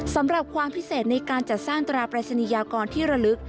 ความพิเศษในการจัดสร้างตราปรายศนียากรที่ระลึก